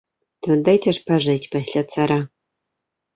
То дайце ж пажыць пасля цара!